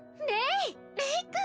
レイ君！